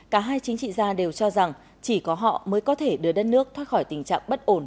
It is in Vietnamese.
cả hai chính trị gia đều cho rằng chỉ có họ mới có thể đưa đất nước thoát khỏi tình trạng bất ổn